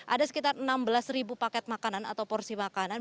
ada sekitar enam belas paket makanan atau porsi makanan